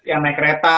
yang naik kereta